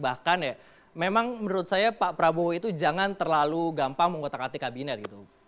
bahkan ya memang menurut saya pak prabowo itu jangan terlalu gampang menggotak atik kabinet gitu